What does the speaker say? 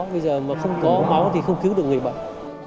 bây giờ mà không có máu thì không cứu được người bệnh